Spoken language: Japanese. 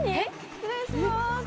失礼します。